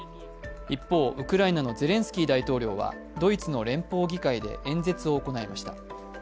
一方、ウクライナのゼレンスキー大統領はドイツの連邦議会で演説を行いました。